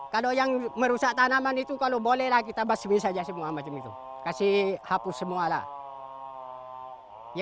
kalau yang merusak tanaman itu kalau bolehlah kita basimis saja semua macam itu kasih hapus semua lah